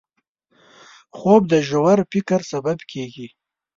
خوب د ژور فکر سبب کېږي